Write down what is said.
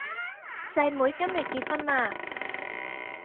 細妹今日結婚啦！